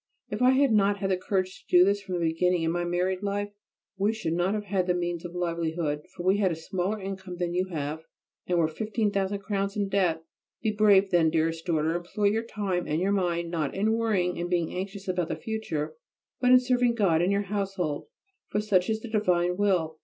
If I had not had the courage to do this from the beginning in my married life we should not have had the means of livelihood, for we had a smaller income than you have and were fifteen thousand crowns in debt. Be brave then, dearest daughter; employ your time and your mind not in worrying and being anxious about the future, but in serving God and your household, for such is the divine will.